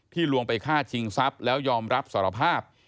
ลวงไปฆ่าชิงทรัพย์แล้วยอมรับสารภาพ